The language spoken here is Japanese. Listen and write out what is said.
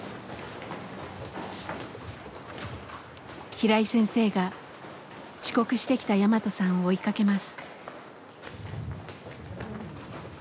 平井先生が遅刻してきたヤマトさんを追いかけます。